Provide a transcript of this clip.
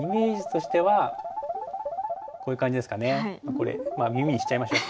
これ耳にしちゃいましょう。